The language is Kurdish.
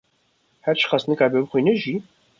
her çiqas nikaribe bixwîne jî